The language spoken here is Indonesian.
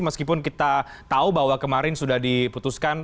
meskipun kita tahu bahwa kemarin sudah diputuskan